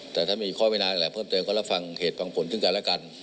แต่ถ้ามีข้อมีนานอะไรเพิ่มเติมก็ละฟังเหตุปังผลขึ้นกันแล้วกัน